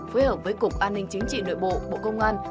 phối hợp với cục an ninh chính trị nội bộ bộ công an